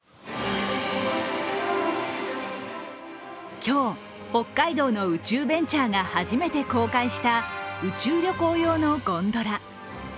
今日、北海道の宇宙ベンチャーが初めて公開した宇宙旅行用のゴンドラ。